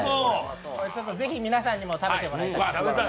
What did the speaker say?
ぜひ皆さんにも食べてもらいたい。